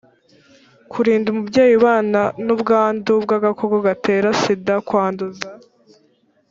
kurinda umubyeyi ubana n ubwandu bw agakoko gatera sida kwanduza